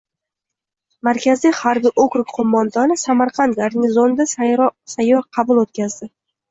Markaziy harbiy okrug qo‘mondoni Samarqand garnizonida sayyor qabul o‘tkazdi